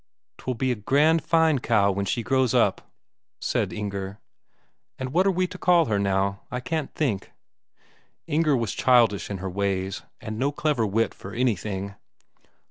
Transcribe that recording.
"'Twill be a grand fine cow when she grows up," said Inger. "And what are we to call her, now? I can't think." Inger was childish in her ways, and no clever wit for anything.